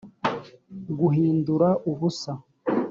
guhindura ubusa